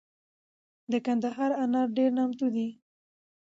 دکندهار انار دیر نامتو دي